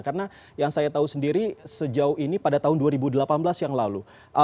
karena yang saya tahu sendiri sejauh ini pada tahun dua ribu delapan belas yang lalu